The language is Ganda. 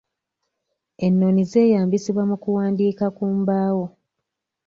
Ennoni zeeyambisibwa mu kuwandiika ku mbaawo